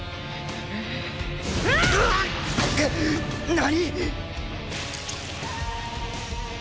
何！？